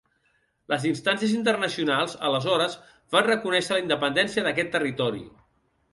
Les instàncies internacionals, aleshores, van reconèixer la independència d'aquest territori.